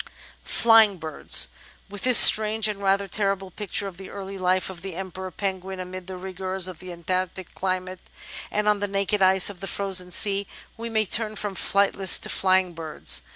§8 Flying Birds With this strange and rather terrible picture of the early life of the Emperor Penguin amid the rigours of the Antarctic climate and on the naked ice of the frozen sea, we may turn from flightless to flying birds.